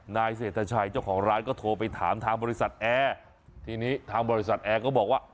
นายเศรษฐชัยเจ้าของร้านก็โทรไปถามทางบริษัทแอร์ทีนี้ทางบริษัทแอร์ก็บอกว่า